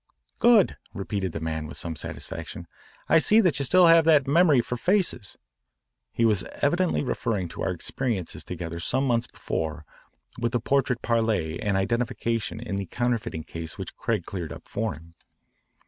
"Good," repeated the man with some satisfaction. "I see that you still have that memory for faces." He was evidently referring to our experiences together some months before with the portrait parle and identification in the counterfeiting case which Craig cleared up for him.